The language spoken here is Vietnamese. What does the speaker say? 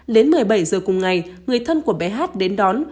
đến một mươi bảy h cùng ngày người thân của bé hát đến đón